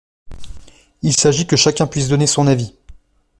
Il s’agit que chacun puisse donner son avis.